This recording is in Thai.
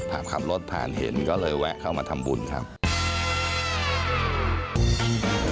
ขับรถผ่านเห็นก็เลยแวะเข้ามาทำบุญครับ